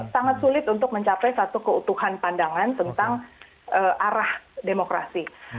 sangat sulit untuk mencapai satu keutuhan pandangan tentang arah demokrasi